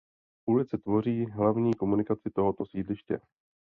Ulice tvoří hlavní komunikaci tohoto sídliště.